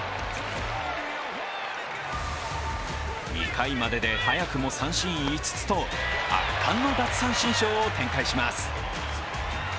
２回までで早くも三振５つと圧巻の奪三振ショーを展開します。